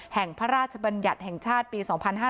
พระราชบัญญัติแห่งชาติปี๒๕๕๙